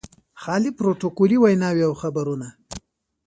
خالي پروتوکولي ویناوې او خبرونه.